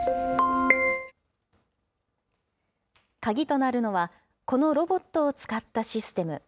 鍵となるのは、このロボットを使ったシステム。